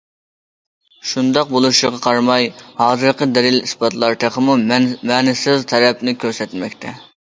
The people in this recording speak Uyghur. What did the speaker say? شۇنداق بولۇشىغا قارىماي، ھازىرقى دەلىل- ئىسپاتلار تېخىمۇ مەنىسىز تەرەپنى كۆرسەتمەكتە.